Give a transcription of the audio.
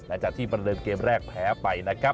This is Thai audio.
และจากที่ประเดินเกมแรกแพ้ไปนะครับ